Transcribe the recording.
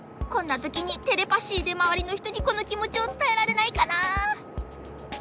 こんなときにテレパシーでまわりのひとにこのきもちをつたえられないかな。